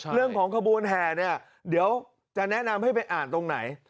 เรื่องของโครโบนแหจะแนะนำให้ไปอ่านตรงไหน